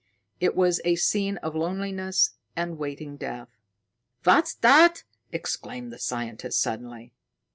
It was a scene of loneliness and waiting death. "What's that?" exclaimed the scientist suddenly.